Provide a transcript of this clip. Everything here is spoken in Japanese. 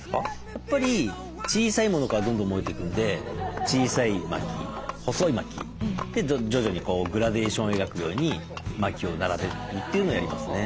やっぱり小さいものからどんどん燃えていくんで小さい薪細い薪で徐々にグラデーションを描くように薪を並べるっていうのをやりますね。